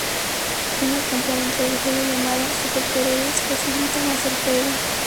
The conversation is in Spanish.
Una compra dentro del juego llamada "Superpoderes" facilita más el juego.